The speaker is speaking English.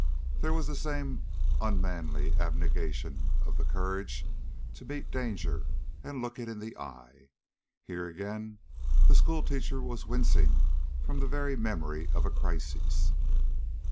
There was the same unmanly abnegation of the courage to meet danger and look it in the eye. Here, again, the schoolteacher was wincing from the very memory of a crisis.